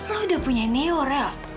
lo udah punya neo rel